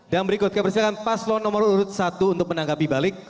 dan berikut kami persiapkan paslon nomor urut satu untuk menangkapi balik